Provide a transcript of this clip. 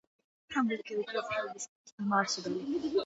ფრანგული გეოგრაფიული სკოლის დამაარსებელი.